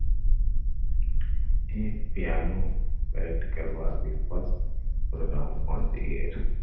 A piano recital was the first program on the air.